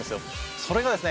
それがですね